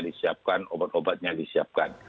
disiapkan obat obatnya disiapkan